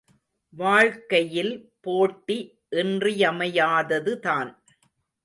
வாழ்க்கையில் போட்டி இன்றியமையாததுதான்.